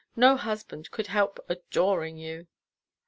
No husband could help adoring you."